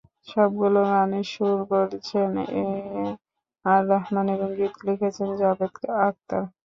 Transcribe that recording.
সবগুলো গানের সুর করেছেন এ আর রহমান এবং গীত লিখেছেন জাভেদ আখতার।